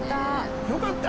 よかったよ。